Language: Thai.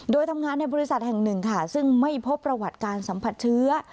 โดยทำงานในบริษัทแห่งหนึ่งค่ะซึ่งไม่พบประวัติการสัมผัสเชื้อ